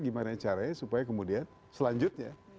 jadi dijaga gimana caranya supaya kemudian selanjutnya